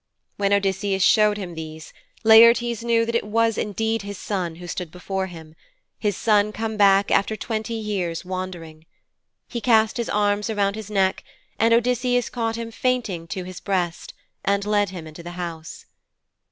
When Odysseus showed him these Laertes knew that it was his son indeed who stood before him his son come back after twenty years' wandering. He cast his arms around his neck, and Odysseus caught him fainting to his breast, and led him into the house.